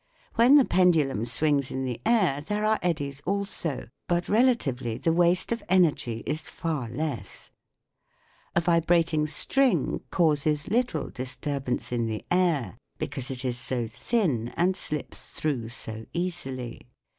When the pendulum swings in the air there are eddies also, but relatively the waste of energy is far less. A vibrating string causes little disturbance in the air, because it is so thin and slips through so easily.